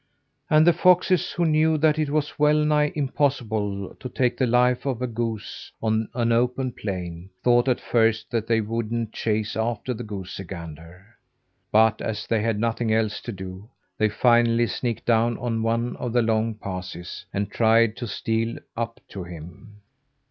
And the foxes, who knew that it was well nigh impossible to take the life of a goose on an open plain, thought at first that they wouldn't chase after the goosey gander. But as they had nothing else to do, they finally sneaked down on one of the long passes, and tried to steal up to him.